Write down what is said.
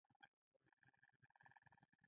نفوذ او قوت څخه ډارېدل.